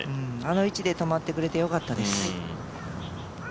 あの位置で止まってくれてよかったです。